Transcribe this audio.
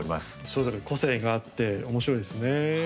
それぞれ個性があっておもしろいですね。